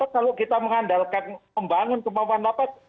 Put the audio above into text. kalau kita mengandalkan membangun kemampuan lapas